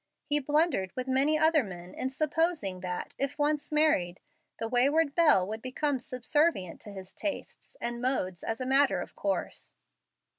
He blundered, with many other men, in supposing that, if once married, the wayward belle would become subservient to his tastes and modes as a matter of course.